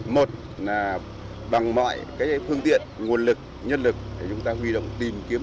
một là bằng mọi phương tiện nguồn lực nhân lực để chúng ta huy động tìm kiếm